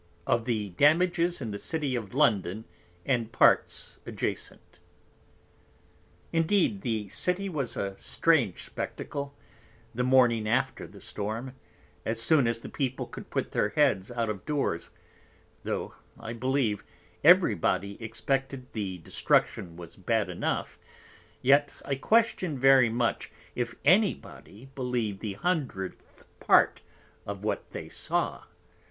Of the Damages in the City of London, and Parts adjacent_ Indeed the City was a strange Spectacle, the Morning after the Storm, as soon as the People could put their Heads out of Doors: though I believe, every Body expected the Destruction was bad enough; yet I question very much, if any Body believed the Hundredth Part of what they saw.